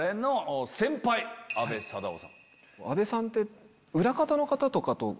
阿部さんって。